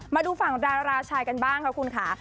มาดูฝั่งดาราชายกันบ้างค่ะคุณค่ะ